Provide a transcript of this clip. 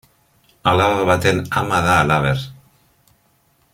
Alaba baten ama da halaber.